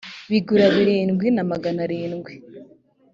bigurabirindwi na magana arindwi